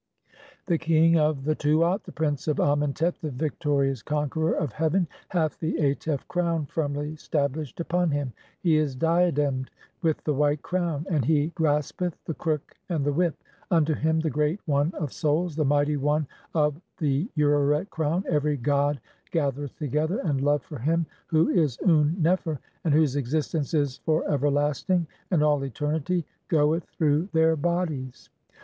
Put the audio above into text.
"The king of the Tuat, (14) the prince of Amentet, the victor "ious conqueror of heaven, hath the Atef crown firmly stablished "[upon him], he is diademed with the white crown, and he "graspeth the crook and the whip ; unto him, the great one of "souls, the mighty one of (15) the Ureret crown, every god "gathereth together, and love for him who is Un nefer, and "whose existence is for everlasting and all eternity, goeth through "their bodies."